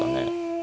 え。